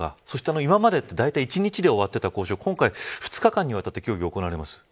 そして今までは、だいたい１日で終わっていた交渉が今回２日間にわたって協議が行われます。